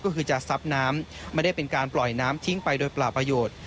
ก็คือจะซับน้ำไม่ได้เป็นการปล่อยน้ำทิ้งไปโดยเปล่าประโยชน์